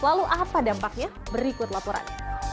lalu apa dampaknya berikut laporan